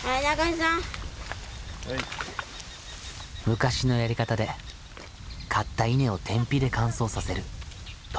昔のやり方で刈った稲を天日で乾燥させるということだ。